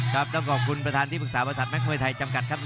ต้องขอบคุณประธานที่ปรึกษาบริษัทนักมวยไทยจำกัดครับ